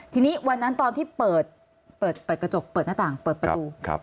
ทีนี้วันนั้นตอนที่เปิดกระจกเปิดหน้าต่างเปิดประตู